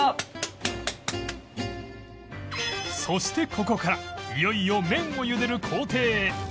そしてここからいよいよ麺をゆでる工程へ